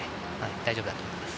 大丈夫だと思います。